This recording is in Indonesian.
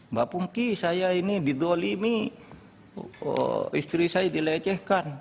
mbak pungki saya ini didolimi istri saya dilecehkan